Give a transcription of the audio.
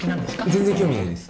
全然興味ないです